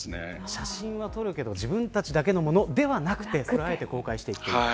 写真は撮るけど自分たちだけのもの、ではなくてそれをあえて公開していく。